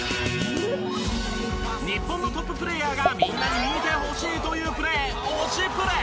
日本のトッププレーヤーがみんなに見てほしいというプレー推しプレ！